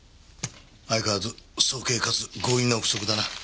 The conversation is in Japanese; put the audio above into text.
相変わらず早計かつ強引な憶測だな。